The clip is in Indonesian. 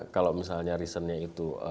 kalau misalnya reasonnya itu